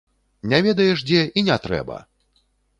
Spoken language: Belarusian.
Не ведаеш дзе, і не трэба!